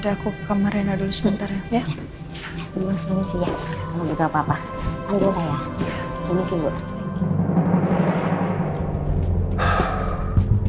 terus berhenti sih bu